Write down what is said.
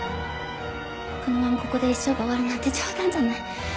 このままここで一生が終わるなんて冗談じゃない。